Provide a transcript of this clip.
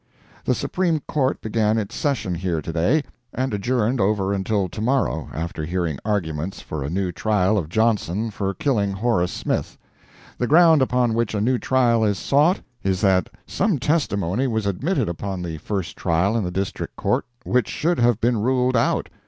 The Supreme Court began its session here to day, and adjourned over until to morrow, after hearing arguments for a new trial of Johnson for killing Horace Smith. The ground upon which a new trial is sought, is that some testimony was admitted upon the first trial in the District Court which should have been ruled out.